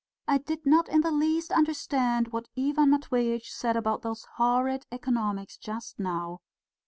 "I did not in the least understand what Ivan Matveitch said about those horrid economics just now."